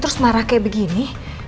terus marah kayak begini